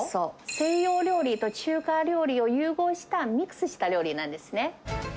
西洋料理と中華料理を融合した、ミックスした料理なんですね。